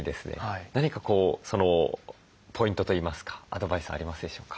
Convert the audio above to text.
何かポイントといいますかアドバイスありますでしょうか？